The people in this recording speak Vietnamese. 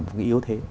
một người yếu thế